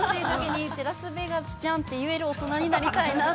◆ラスベガスじゃんと言える大人になりたいな。